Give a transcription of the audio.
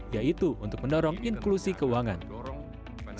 yaitu untuk meneroboskan pemerintahan yang berbeda